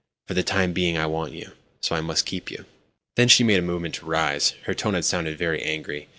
For the time being I want you, so I must keep you." Then she made a movement to rise. Her tone had sounded very angry.